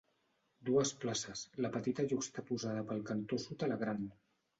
Dues places, la petita juxtaposada pel cantó sud a la gran.